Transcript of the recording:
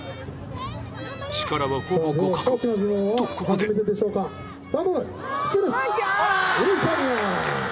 力はほぼ互角とここであぁ。